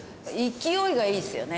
勢いがいいですよね。